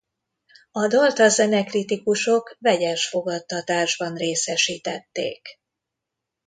A dalt a zenekritikusok vegyes fogadtatásban részesítették.